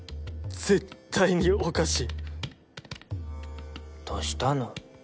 絶対におかしいどしたの？